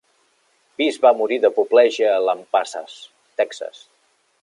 Pease va morir d'apoplegia a Lampasas, Texas.